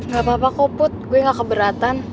gapapa kok put gue gak keberatan